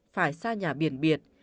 phải xa nhà biển biệt